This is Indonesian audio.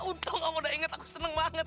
untung kamu udah inget aku seneng banget